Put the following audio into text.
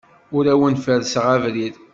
Ur awen-ferrseɣ abrid.